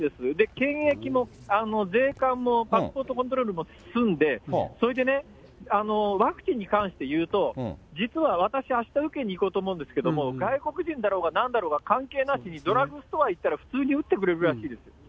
検疫も税関もパスポートコントロールも済んで、それでね、ワクチンに関していうと、実は私、あした受けにいこうと思うんですけれども、外国人だろうがなんだろうが関係なしに、ドラッグストア行ったら普通に打ってくれるらしいです。